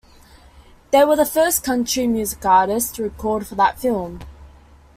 They were the first country-music artists to record for that firm.